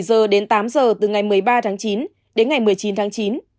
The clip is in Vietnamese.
bảy h đến tám h từ ngày một mươi ba tháng chín đến ngày một mươi chín tháng chín